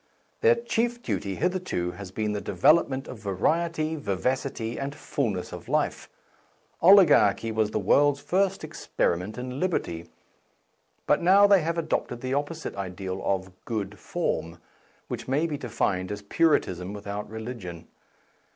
Their chief duty hitherto has been the development of variety, vivacity, and fullness of life ; oli garchy was the w^orld's first experiment in liberty. But now they have adopted the opposite ideal of " good form," which may be defined as Puritanism without religion.